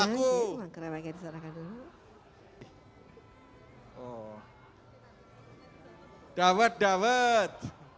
uang kereweknya diserahkan dulu